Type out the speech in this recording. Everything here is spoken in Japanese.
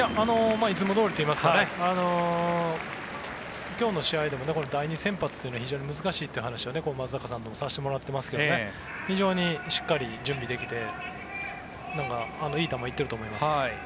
いつもどおりといいますか今日の試合でも第２先発というのは非常に難しいという話を松坂さんともさせてもらっていますが非常にしっかり準備できていい球行っていると思います。